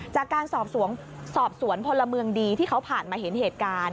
จากการสอบสวนพลเมืองดีที่เขาผ่านมาเห็นเหตุการณ์